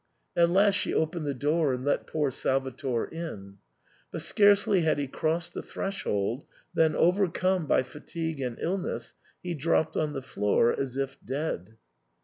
At last she opened the door and let poor Salvator in ; but scarcely had he crossed the threshold than, overcome by fatigue and illness, he dropped on the floor as if dead.